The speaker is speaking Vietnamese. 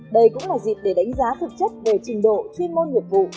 đây cũng là dịp để đánh giá thực chất về trình độ chuyên môn nghiệp vụ